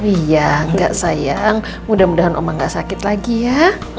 iya enggak sayang mudah mudahan mama enggak sakit lagi ya